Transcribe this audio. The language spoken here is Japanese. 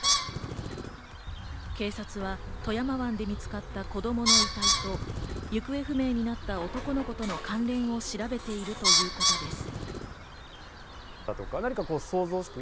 警察は富山湾で見つかった子供の遺体と行方不明になった男の子との関連を調べているということです。